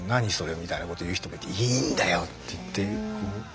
みたいなことを言う人もいて「いいんだよ」って言って。